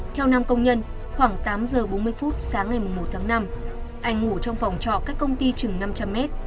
theo nam công nhân khoảng tám h bốn mươi sáng ngày một năm anh ngủ trong phòng trọ cách công ty chừng năm trăm linh m